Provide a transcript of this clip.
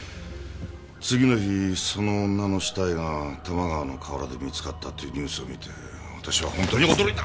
次の日その女の死体が多摩川の河原で見つかったっていうニュースを見てわたしは本当に驚いた。